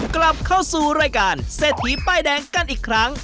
กลับเข้าสู่รายการเศรษฐีป้ายแดงกันอีกครั้ง